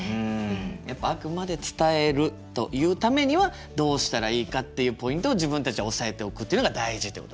やっぱあくまで伝えるというためにはどうしたらいいかっていうポイントを自分たちは押さえておくっていうのが大事ってことですね。